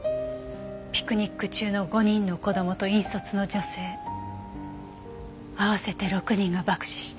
ピクニック中の５人の子供と引率の女性合わせて６人が爆死した。